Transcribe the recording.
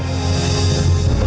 bapak akan coba